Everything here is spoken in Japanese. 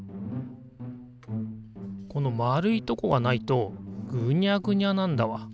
この丸いとこがないとぐにゃぐにゃなんだわ。